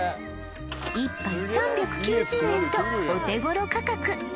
１杯３９０円とお手頃価格